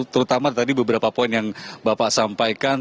terutama tadi beberapa poin yang bapak sampaikan